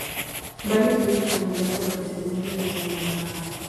Varias veces candidato a la Presidencia de Nueva Granada.